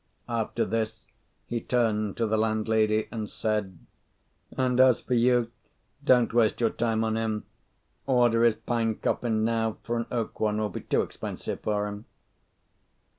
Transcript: After this he turned to the landlady, and said, "And as for you, don't waste your time on him: order his pine coffin now, for an oak one will be too expensive for him."